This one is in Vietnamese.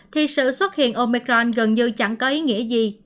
thì sự xuất hiện omicron gần như chẳng có ý nghĩa gì